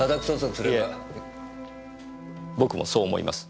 僕もそう思います。